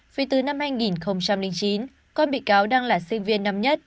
vì từ năm hai nghìn chín con bị cáo đang là sinh viên năm nhất